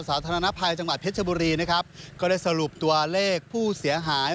สาธารณภัยจังหวัดเพชรบุรีนะครับก็ได้สรุปตัวเลขผู้เสียหาย